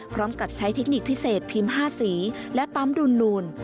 พร้อมกับใช้เทคนิคพิเศษพิมพ์๕สีและปั๊มดูนูน